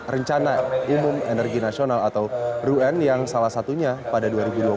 rencana umum energi nasional atau run yang salah satunya pada dua ribu dua puluh